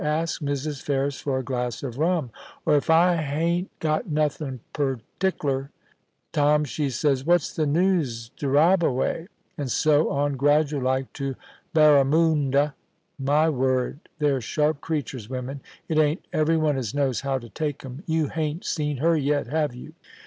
Ask Mrs. Ferris for a glass of rum ;" or if I hain't * YOU MUST MARRY HONORIA LONGLEAT: 53 got nothing pertikler, "Tom," she says, "what's the news Dyraaba way?" and so on, gradual like, to Barramundo. My word ! the/re sharp creatures, women. It ain't every one as knows how to take 'em. You hain't seen her yet, have you